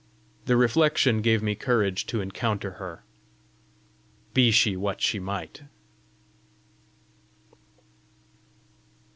The reflection gave me courage to encounter her, be she what she might.